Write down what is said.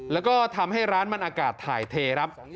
แล้วก็ทำให้ร้านมันอากาศถ่ายเทครับ